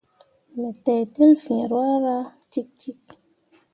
Me teitel fiŋ ruahra cikcik.